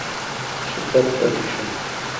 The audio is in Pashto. شرکت پاتې شو.